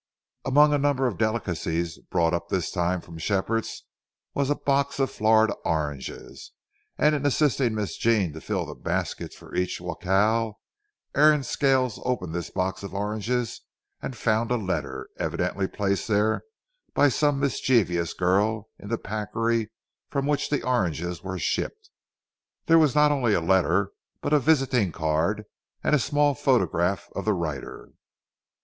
Among a number of delicacies brought up this time from Shepherd's was a box of Florida oranges, and in assisting Miss Jean to fill the baskets for each jacal, Aaron Scales opened this box of oranges and found a letter, evidently placed there by some mischievous girl in the packery from which the oranges were shipped. There was not only a letter but a visiting card and a small photograph of the writer.